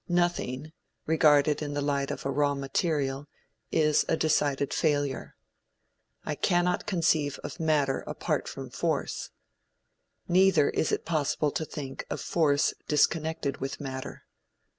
Nothing, regarded in the light of a raw material, is a decided failure. I cannot conceive of matter apart from force. Neither is it possible to think of force disconnected with matter.